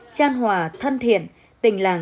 trang hòa thân thiện tình làng